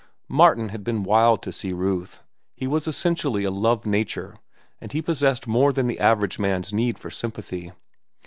Martin had been wild to see Ruth. His was essentially a love nature, and he possessed more than the average man's need for sympathy.